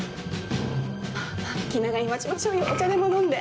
まあまあ気長に待ちましょうよお茶でも飲んで。